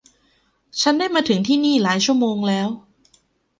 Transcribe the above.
ฉันได้มาถึงที่นี่หลายชั่วโมงแล้ว